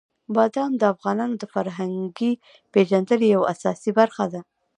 بادام د افغانانو د فرهنګي پیژندنې یوه اساسي برخه ده.